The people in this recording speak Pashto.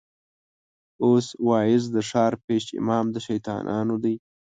اوس واعظ د ښار پېش امام د شيطانانو دی